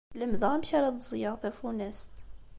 Lemdeɣ amek ara d-ẓẓgeɣ tafunast.